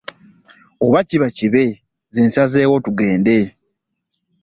Oba kiba kibe nze nsazeewo tugende.